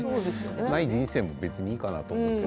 ない人生もいいかなと思っていて。